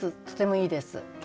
とてもいいです。